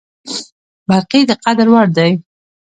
برخې د قدر وړ دي.